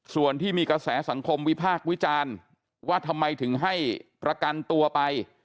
ส่วนที่มีกระแสสังคมวิพากษ์วิจารณ์ว่าทำไมถึงให้ประกันตัวไป